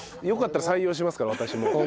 良かったら採用しますから私も。